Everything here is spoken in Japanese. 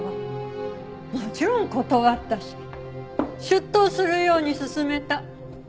もちろん断ったし出頭するように勧めた。